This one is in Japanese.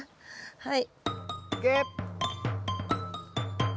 はい。